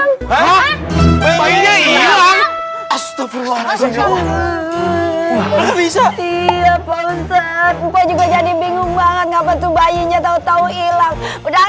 ngapa bisa iya pak ustadz juga jadi bingung banget ngapa tuh bayinya tau tau hilang udah